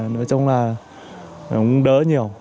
nói chung là cũng đỡ nhiều